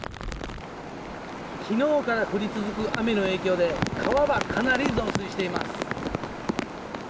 昨日から降り続く雨の影響で川がかなり増水しています。